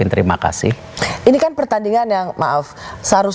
saya terus terang bonus ter hari raya pathogens